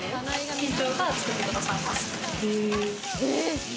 店長が作ってくださいます。